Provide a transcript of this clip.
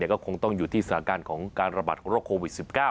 ก็คงต้องอยู่ที่สถานการณ์ของการระบาดของโรคโควิด๑๙